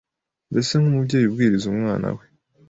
mbese nk’umubyeyi ubwiriza umwana we